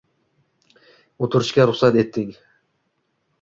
O'tirishga ruxsat eting